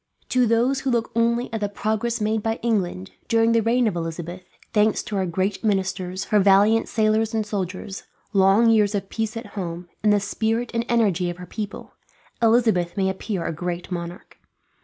To those who look only at the progress made by England, during the reign of Elizabeth thanks to her great ministers, her valiant sailors and soldiers, long years of peace at home, and the spirit and energy of her people Elizabeth may appear a great monarch.